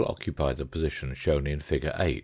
r occupy the position H shown in fig. 8.